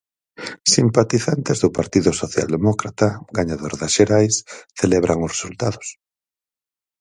Simpatizantes do Partido Socialdemócrata, gañador das xerais, celebran os resultados.